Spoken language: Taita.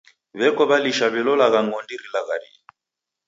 W'eko w'alisha w'ilolagha ng'ondi rilagharie.